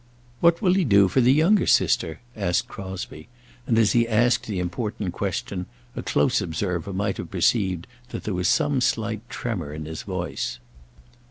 "What will he do for the younger sister?" asked Crosbie; and, as he asked the important question, a close observer might have perceived that there was some slight tremor in his voice.